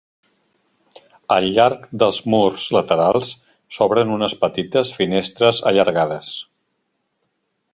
Al llarg dels murs laterals s'obren unes petites finestres allargades.